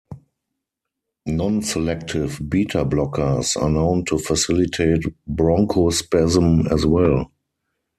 Non-selective beta blockers are known to facilitate bronchospasm as well.